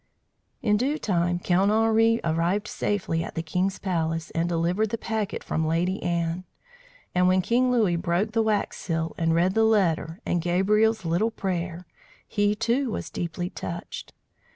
In due time, Count Henri arrived safely at the king's palace, and delivered the packet from Lady Anne. And when King Louis broke the wax seal, and read the letter and Gabriel's little prayer, he, too, was deeply touched.